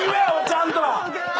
ちゃんと。